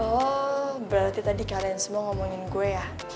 oh berarti tadi kalian semua ngomongin gue ya